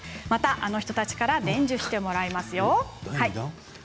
またあの人たちから伝授してもらいますよ。